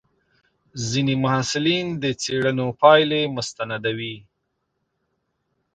ځینې محصلین د څېړنو پایلې مستندوي.